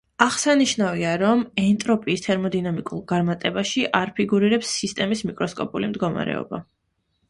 აღსანიშნავია, რომ ენტროპიის თერმოდინამიკურ განმარტებაში არ ფიგურირებს სისტემის მიკროსკოპული მდგომარეობა.